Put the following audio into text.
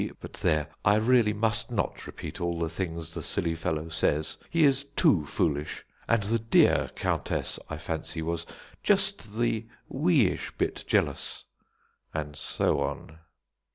but there, I really must not repeat all the things the silly fellow says; he is too foolish and the dear Countess, I fancy, was just the weeish bit jealous" and so on.